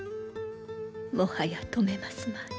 もはや止めますまい。